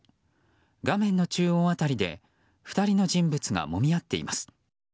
画面の中央辺りで２人の人物がもみ合っています。